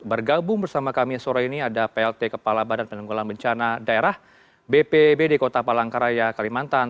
bergabung bersama kami sore ini ada plt kepala badan penanggulan bencana daerah bpbd kota palangkaraya kalimantan